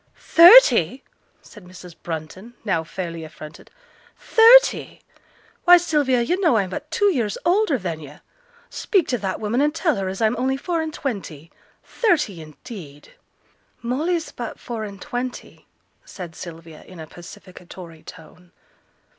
'Thirty!' said Mrs. Brunton, now fairly affronted. 'Thirty! why, Sylvia, yo' know I'm but two years older than yo'; speak to that woman an' tell her as I'm only four and twenty. Thirty, indeed!' 'Molly's but four and twenty,' said Sylvia, in a pacificatory tone.